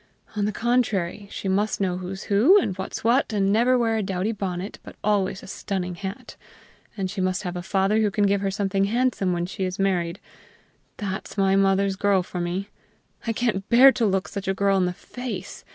On the contrary, she must know who's who, and what's what, and never wear a dowdy bonnet, but always a stunning hat. And she must have a father who can give her something handsome when she is married. That's my mother's girl for me. I can't bear to look such a girl in the face!